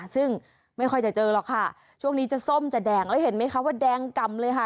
ซึ่งไม่ค่อยจะเจอหรอกค่ะช่วงนี้จะส้มจะแดงแล้วเห็นไหมคะว่าแดงกำเลยค่ะ